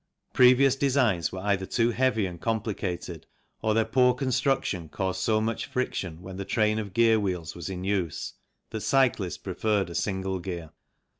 Previous designs were either too heavy and complicated or their poor construction caused so much friction when the train of gear wheels was in use that cyclists preferred a single gear.